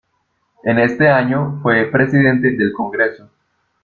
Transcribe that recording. En este año fue presidente del Congreso.